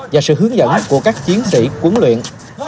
và sự hướng dẫn của các chiến sĩ huấn luyện